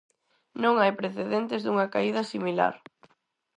Non hai precedentes dunha caída similar.